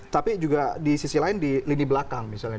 tapi juga di sisi lain di lini belakang misalnya